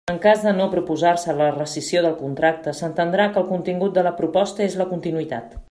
En cas de no proposar-se la rescissió del contracte s'entendrà que el contingut de la proposta és la continuïtat.